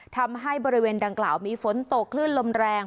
ทำให้บริเวณดังกล่าวมีฝนตกคลื่นลมแรง